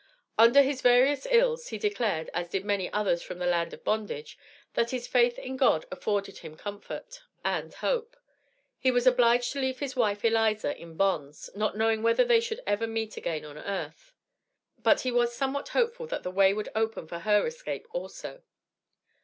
Under his various ills, he declared, as did many others from the land of bondage, that his faith in God afforded him comfort and hope. He was obliged to leave his wife, Eliza, in bonds, not knowing whether they should ever meet again on earth, but he was somewhat hopeful that the way would open for her escape also.